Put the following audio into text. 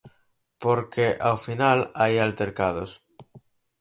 Por que ao final hai altercados?